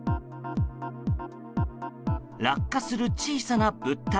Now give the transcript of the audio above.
落下する小さな物体。